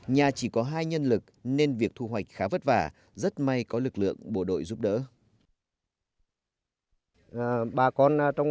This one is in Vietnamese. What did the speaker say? nhà chỉ có hai nhân lực nên việc thu hoạch khá vất vả rất may có lực lượng bộ đội giúp đỡ